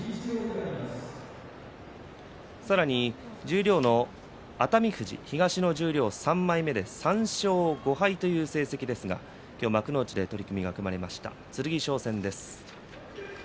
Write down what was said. さらに十両の熱海富士ですが東の十両３枚目で３勝５敗という成績ですが今日幕内で取組が組まれました剣翔戦です。